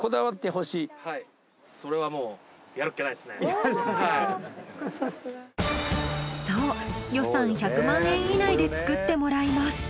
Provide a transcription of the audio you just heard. それはもうそう予算１００万円以内で作ってもらいます。